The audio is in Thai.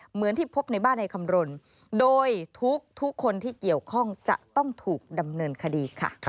เหมือนที่พบในบ้านในคำรณโดยทุกคนที่เกี่ยวข้องจะต้องถูกดำเนินคดีค่ะ